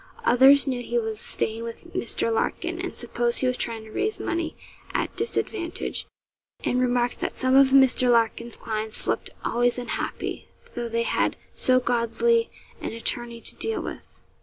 Others knew he was staying with Mr. Larkin, and supposed he was trying to raise money at disadvantage, and remarked that some of Mr. Larkin's clients looked always unhappy, though they had so godly an attorney to deal with.